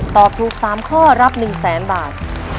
ตอบถูกสามข้อรับหนึ่งแสนบาท